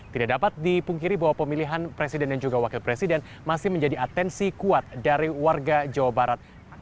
tidak dapat dipungkiri bahwa pemilihan presiden dan juga wakil presiden masih menjadi atensi kuat dari warga jawa barat